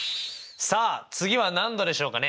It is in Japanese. さあ次は何度でしょうかね？